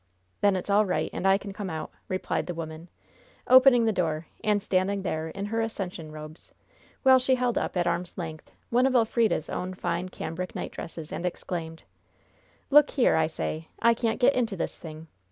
"Then it's all right, and I can come out," replied the woman, opening the door and standing there in her ascension robes, while she held up, at arm's length, one of Elfrida's own fine cambric nightdresses, and exclaimed: "Look here, I say! I can't get into this thing!